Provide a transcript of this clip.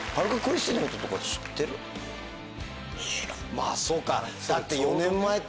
まぁそうかだって。